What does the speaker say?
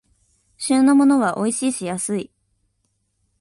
旬のものはおいしいし安い